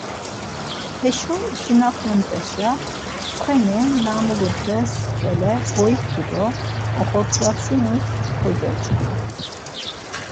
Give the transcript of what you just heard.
Heşo isinapamt̆esşa tsxeni na mulut̆es ǩele goiktu do oxot̆ǩvatsinus kogyoç̌ǩu.